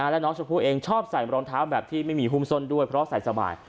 และน้องชมพู่เองชอบใส่รองเท้าแบบที่ไม่มีหุ้มส้นด้วยเพราะใส่สบาย